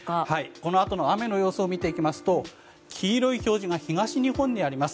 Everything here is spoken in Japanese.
このあとの雨の様子を見ていきますと黄色い表示が東日本にあります。